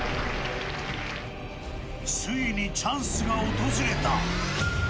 ついにチャンスが訪れた。